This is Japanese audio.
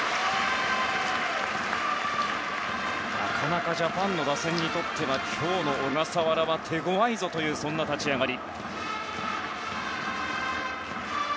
なかなかジャパンの打線にとって今日の小笠原は手強いぞという立ち上がり。